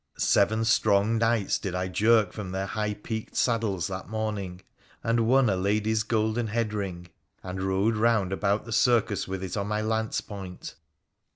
Seven strong knights did I jerk from their high peaked saddles that morning, and won a lady's golden head ring, and rode round about the circus with it on my lance point.